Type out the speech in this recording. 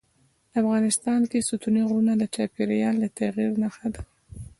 افغانستان کې ستوني غرونه د چاپېریال د تغیر نښه ده.